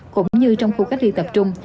cũng như trong khu cách ly tập trung